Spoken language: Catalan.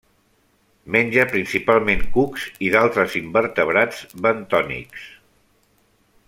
Menja principalment cucs i d'altres invertebrats bentònics.